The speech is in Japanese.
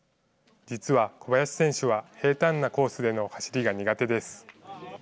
実は小林選手は平たんなコースでの走りが苦手です。